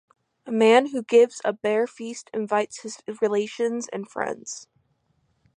A man who gives a bear-feast invites his relations and friends.